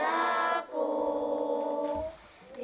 jadi pandu ibumu